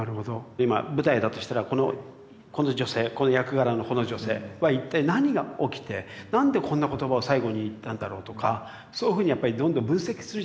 今舞台だとしたらこの女性この役柄のこの女性は一体何が起きてなんでこんな言葉を最後に言ったんだろうとかそういうふうにやっぱりどんどん分析するじゃないですか。